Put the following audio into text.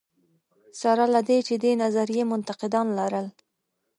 سره له دې چې دې نظریې منتقدان لرل.